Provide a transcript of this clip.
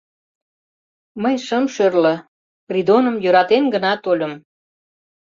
Мый шым шӧрлӧ, Придоным йӧратен гына тольым...